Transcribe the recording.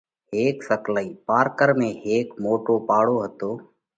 هيڪ سڪلئِي: پارڪر ۾ هيڪ موٽو پاڙو هتو۔